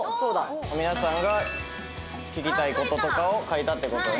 皆さんが聞きたい事とかを書いたって事だよね。